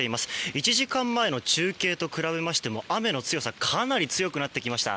１時間前の中継と比べましても雨の強さかなり強くなってきました。